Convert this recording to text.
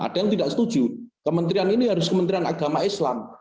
ada yang tidak setuju kementerian ini harus kementerian agama islam